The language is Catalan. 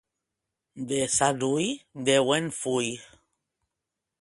De Sanui, Déu en fui.